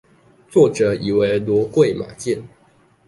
作者以為騾貴馬賤